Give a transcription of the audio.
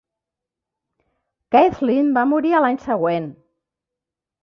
Kathleen va morir a l'any següent.